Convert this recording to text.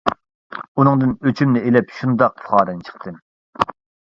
ئۇنىڭدىن ئۆچۈمنى ئېلىپ شۇنداق پۇخادىن چىقتىم.